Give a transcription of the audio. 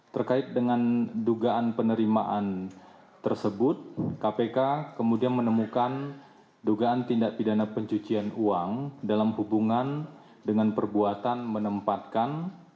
terkait dengan dugaan penerimaan tersebut kpk kemudian menemukan dugaan tindak pidana pencucian uang dalam hubungan dengan perbuatan menempatkan